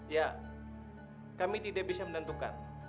ya kami tidak bisa menentukan